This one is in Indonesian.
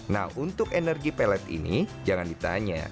nah untuk energi pellet ini jangan ditanya